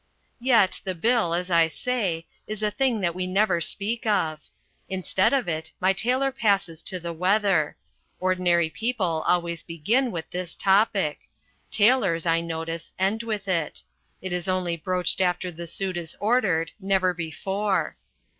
Yet the bill, as I say, is a thing that we never speak of. Instead of it my tailor passes to the weather. Ordinary people always begin with this topic. Tailors, I notice, end with it. It is only broached after the suit is ordered, never before.